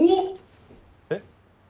えっ？